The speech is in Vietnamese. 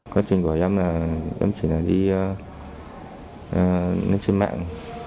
quá trình của em là em chỉ là đi trên mạng